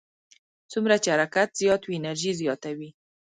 څومره چې حرکت زیات وي انرژي زیاته وي.